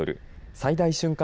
最大瞬間